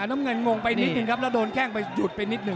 น้ำเงินงงไปนิดนึงครับแล้วโดนแข้งไปหยุดไปนิดนึ